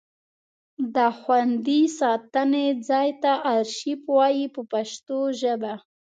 د خوندي ساتنې ځای ته ارشیف وایي په پښتو ژبه.